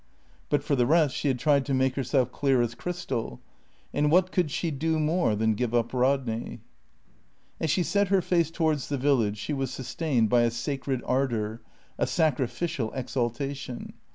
But for the rest, she had tried to make herself clear as crystal. And what could she do more than give up Rodney? As she set her face towards the village, she was sustained by a sacred ardour, a sacrificial exaltation.